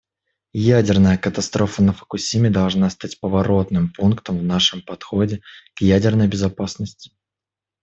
Ядерная катастрофа на Фукусиме должна стать поворотным пунктом в нашем подходе к ядерной безопасности.